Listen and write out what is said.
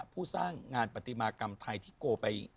ผู้สร้างงานปฏิมากรรมไทยที่โกไป